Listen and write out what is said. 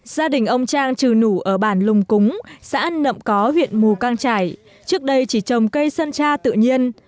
gia đình ông trang trừ nù ở bản lùng cúng xã nậm có huyện mù căng trải trước đây chỉ trồng cây sơn tra tự nhiên